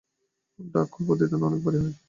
Darkhold প্রতিদান অনেক ভারী হয়।